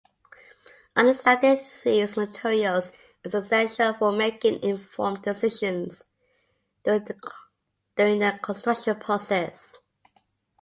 Understanding these materials is essential for making informed decisions during the construction process.